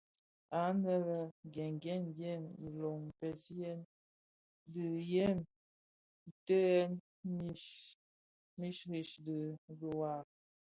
Anë bé ghèn ghèn dièm iloh mpeziyen dhiyèm ntëghèn mikrighe dhi duwa.